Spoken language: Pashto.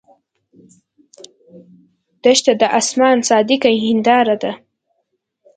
دښته د آسمان صادقه هنداره ده.